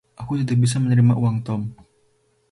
Aku tidak bisa menerima uang Tom.